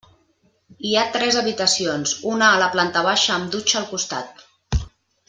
Hi ha tres habitacions, una a la planta baixa amb dutxa al costat.